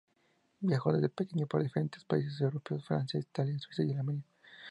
Viajó desde pequeño por diferentes países europeos: Francia, Italia, Suiza y Alemania.